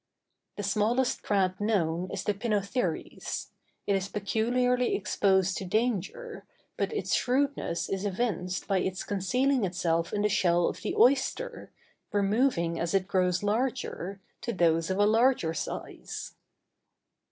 The smallest crab known is the pinnotheres. It is peculiarly exposed to danger, but its shrewdness is evinced by its concealing itself in the shell of the oyster, removing as it grows larger, to those of a larger size.